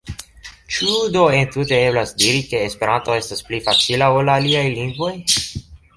Ĉu do entute eblas diri, ke Esperanto estas pli facila ol aliaj lingvoj?